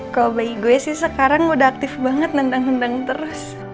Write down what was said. kalau bagi gue sih sekarang udah aktif banget nendang nendang terus